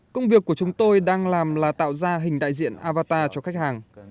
công việc của chúng tôi đang làm là tạo ra hình đại diện avatar cho khách hàng